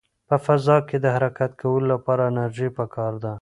په فضا کې د حرکت کولو لپاره انرژي پکار ده.